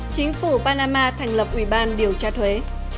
chính phủ panama thành lập ủy ban điều tra thuế